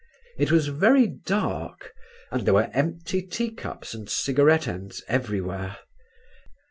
It was very dark and there were empty tea cups and cigarette ends everywhere.